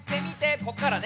ここからね。